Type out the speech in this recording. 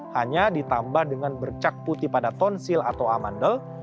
hanya ditambah dengan bercak putih pada tonsil atau amandel